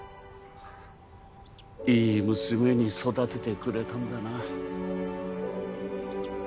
いい娘に育ててくれたんだな。